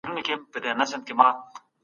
سیالي په بازار کي کیفیت لوړوي.